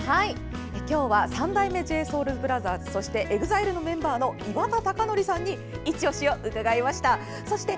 今日は三代目ＪＳＯＵＬＢＲＯＴＨＥＲＳそしてＥＸＩＬＥのメンバーの岩田剛典さんにいちオシを伺いました。